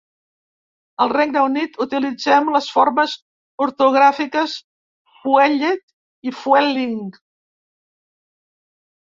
Al Regne Unit utilitzem les formes ortogràfiques "fuelled" i "fuelling".